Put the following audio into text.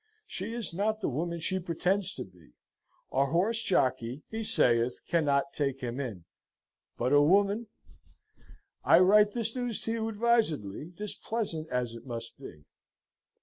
She is not the woman she pretends to be. A horse jockey (he saith) cannot take him in but a woman! "I write this news to you advisedly, displeasant as it must be.